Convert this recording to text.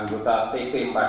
anggota pt pad